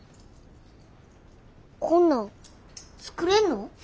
こんなん作れんの？